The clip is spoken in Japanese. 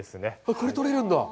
これ、採れるんだ。